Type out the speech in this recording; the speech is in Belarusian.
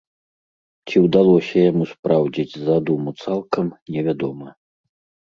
Ці ўдалося яму спраўдзіць задуму цалкам, невядома.